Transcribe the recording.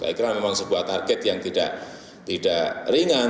saya kira memang sebuah target yang tidak ringan